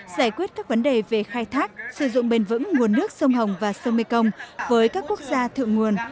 giải quyết các vấn đề về khai thác sử dụng bền vững nguồn nước sông hồng và sông mê công với các quốc gia thượng nguồn